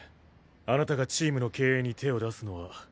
あなたがチームの経営に手を出すのは。